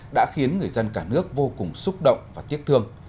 đã khiến người dân cả nước vô cùng xúc động và tiếc thương